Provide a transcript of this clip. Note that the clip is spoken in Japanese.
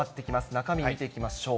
中身、見ていきましょう。